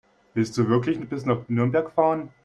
Willst du wirklich bis nach Nürnberg fahren?